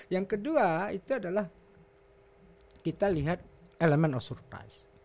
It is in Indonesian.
yang kedua itu adalah kita lihat elemen of surprise